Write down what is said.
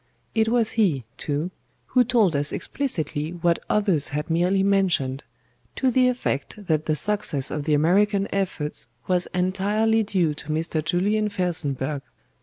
It was he, too, who told us explicitly what others had merely mentioned, to the effect that the success of the American efforts was entirely due to Mr. JULIAN FELSENBURGH.